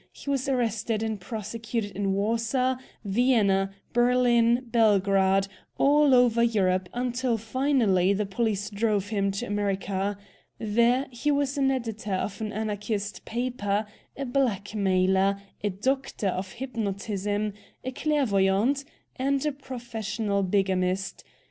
He was arrested and prosecuted in Warsaw, Vienna, Berlin, Belgrade; all over Europe, until finally the police drove him to America. There he was an editor of an anarchist paper, a blackmailer, a 'doctor' of hypnotism, a clairvoyant, and a professional bigamist.